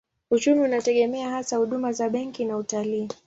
Uchumi unategemea hasa huduma za benki na utalii.